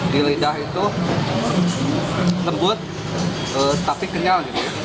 di lidah itu lembut tapi kenyal